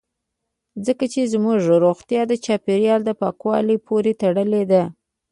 ځکه چې زموږ روغتیا د چاپیریال په پاکوالي پورې تړلې ده